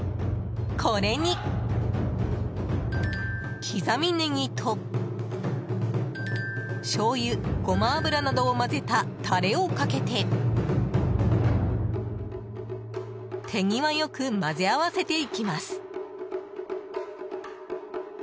これに、刻みネギとしょうゆ、ゴマ油などを混ぜたタレをかけて手際よく混ぜ合わせていきます。